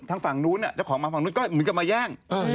ทางฝั่งนู้นมีเหมือนกันมาแย่ง